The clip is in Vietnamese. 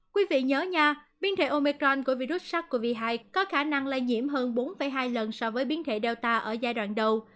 quý vị nhớ nha biến thể omecron của virus sars cov hai có khả năng lây nhiễm hơn bốn hai lần so với biến thể data ở giai đoạn đầu